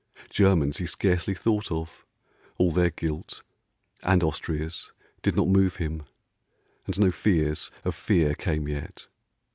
Germans he scarcely thought of ; all their guilt And Austria's, did not move him. And no fears Of Fear came yet.